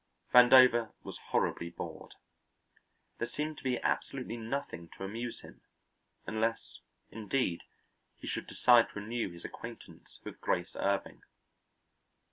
Vandover was horribly bored. There seemed to be absolutely nothing to amuse him, unless, indeed, he should decide to renew his acquaintance with Grace Irving.